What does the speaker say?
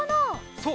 そう！